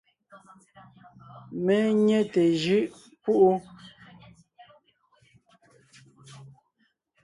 Mé nyé té jʉʼ púʼu.